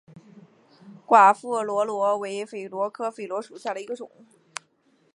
寡妇榧螺为榧螺科榧螺属下的一个种。